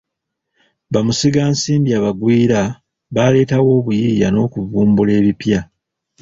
Bamusigansimbi abagwira baleetawo obuyiiya n'okuvumbula ebipya.